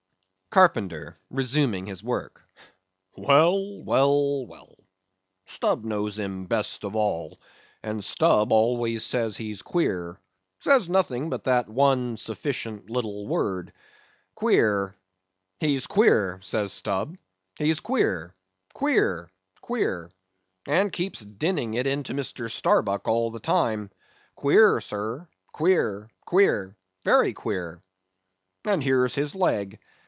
CARPENTER (resuming his work). Well, well, well! Stubb knows him best of all, and Stubb always says he's queer; says nothing but that one sufficient little word queer; he's queer, says Stubb; he's queer—queer, queer; and keeps dinning it into Mr. Starbuck all the time—queer—sir—queer, queer, very queer. And here's his leg!